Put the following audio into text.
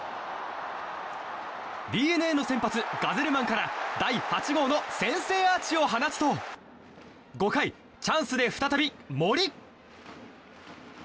ＤｅＮＡの先発ガゼルマンから第８号の先制アーチを放つと５回、チャンスで再び森。